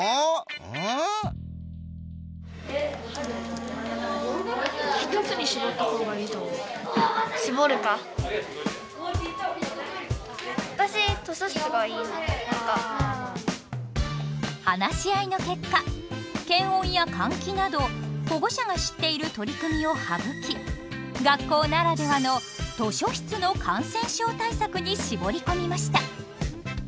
ん？話し合いの結果検温や換気など保護者が知っている取り組みを省き学校ならではの図書室の感染症対策にしぼり込みました。